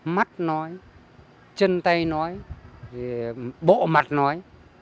mắt nói chân tay nói bộ mặt nói